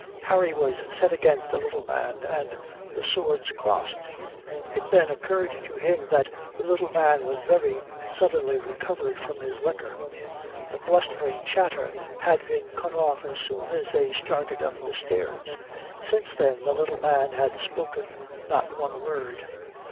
Harry was set against the little man and the swords crossed. It then occurred to him that the little man was very suddenly recovered from his liquor. The blustering chatter had been cut off as soon as they started up the stairs. Since then the little man had spoken not one word.